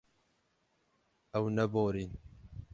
Ew neborîn.